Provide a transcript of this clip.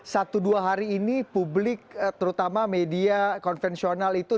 satu dua hari ini publik terutama media konvensional itu